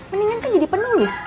mendingan kan jadi penulis